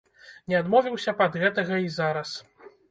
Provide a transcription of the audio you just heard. Не адмовіўся б ад гэтага і зараз.